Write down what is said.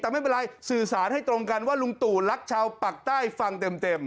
แต่ไม่เป็นไรสื่อสารให้ตรงกันว่าลุงตู่รักชาวปากใต้ฟังเต็ม